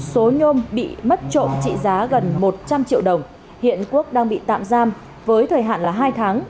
số nhôm bị mất trộm trị giá gần một trăm linh triệu đồng hiện quốc đang bị tạm giam với thời hạn là hai tháng